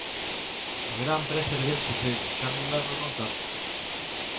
No verán presta erguerse cedo, xa no inverno non tanto...